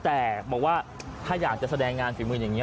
แต่บอกว่าถ้าอยากจะแสดงงานฝีมืออย่างนี้